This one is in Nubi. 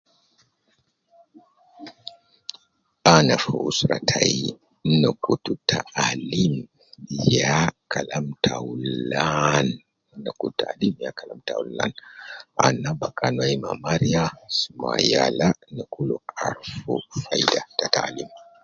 Ana gi usra tai, na kutu taalim ya Kalam taulan, na kutu taalim ya sokol taulan, ana bakan wai ma mariya ma yala na kulu arufu faida ta taalim